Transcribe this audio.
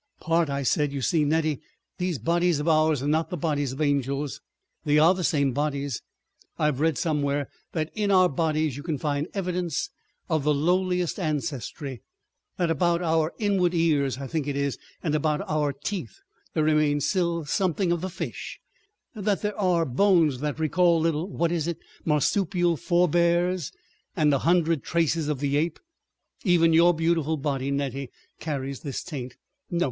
"Part," I said. "You see, Nettie, these bodies of ours are not the bodies of angels. They are the same bodies——— I have read somewhere that in our bodies you can find evidence of the lowliest ancestry; that about our inward ears—I think it is—and about our teeth, there remains still something of the fish, that there are bones that recall little—what is it?—marsupial forebears—and a hundred traces of the ape. Even your beautiful body, Nettie, carries this taint. No!